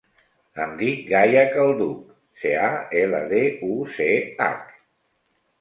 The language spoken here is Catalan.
Em dic Gaia Calduch: ce, a, ela, de, u, ce, hac.